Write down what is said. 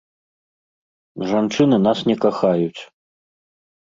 Жанчыны нас не кахаюць.